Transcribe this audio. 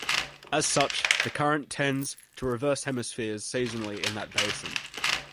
As such, the current tends to reverse hemispheres seasonally in that basin.